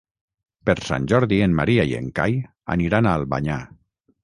Per Sant Jordi en Maria i en Cai aniran a Albanyà.